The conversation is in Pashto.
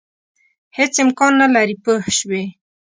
هېڅ امکان نه لري پوه شوې!.